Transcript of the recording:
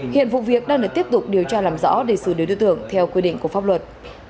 hiện vụ việc đang được tiếp tục điều tra làm rõ để xử lý đối tượng theo quy định của pháp luật